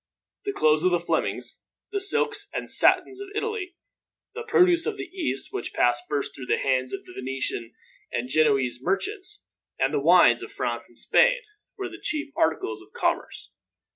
The cloths of the Flemings, the silks and satins of Italy, the produce of the East, which passed first through the hands of the Venetian and Genoese merchants, and the wines of France and Spain were the chief articles of commerce.